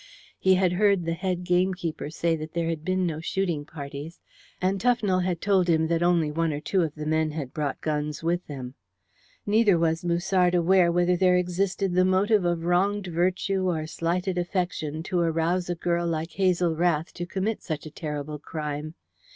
He had heard the head gamekeeper say that there had been no shooting parties, and Tufnell had told him that only one or two of the men had brought guns with them. Neither was Musard aware whether there existed the motive of wronged virtue or slighted affection to arouse a girl like Hazel Rath to commit such a terrible crime.